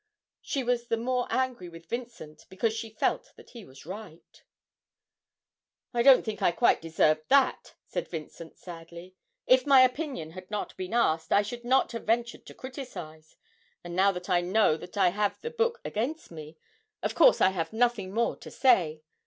She was the more angry with Vincent because she felt that he was right. 'I don't think I quite deserved that,' said Vincent, sadly. 'If my opinion had not been asked I should not have ventured to criticise; and, now that I know that I have the book against me, of course I have nothing more to say.